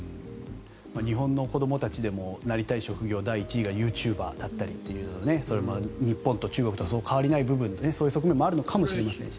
日本の子どもたちでもなりたい職業の第１位がユーチューバーだったりと日本と中国とそう変わりないそういう側面もあるのかもしれませんが。